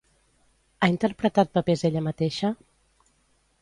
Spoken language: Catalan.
Ha interpretat papers ella mateixa?